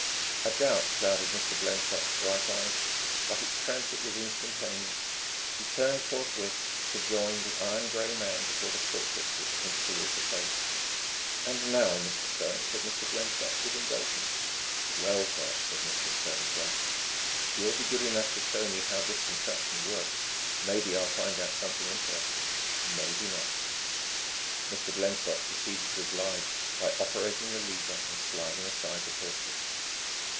A doubt clouded Mr. Blensop's bright eyes, but its transit was instantaneous. He turned forthwith to join the iron gray man before the portrait which concealed the safe. "And now, Mr. Stone," said Mr. Blensop, with indulgence. "Well, sir," said Mr. Stone quietly, "if you'll be good enough to show me how this contraption works, maybe I'll find out something interesting, maybe not." Mr. Blensop proceeded to oblige by operating the lever and sliding aside the portrait.